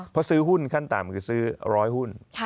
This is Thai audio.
เพราะซื้อหุ้นขั้นต่ำคือซื้อ๑๐๐หุ้น